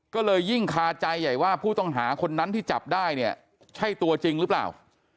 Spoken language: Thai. ก็เลยยิ่งคาใจใหญ่ว่าผู้ต้องหาคนนั้นที่จับได้เนี่ยใช่ตัวจริงหรือเปล่า